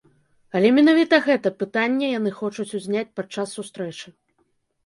Але менавіта гэта пытанне яны хочуць узняць падчас сустрэчы.